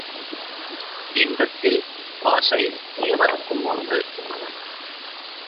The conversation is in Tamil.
இன்பத்தில் ஆசை எவர்க்கும் உண்டு.